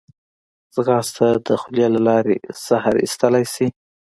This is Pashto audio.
ځغاسته د خولې له لارې زهر ایستلی شي